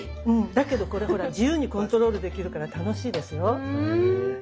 だけどこれほら自由にコントロールできるから楽しいですよ。へ。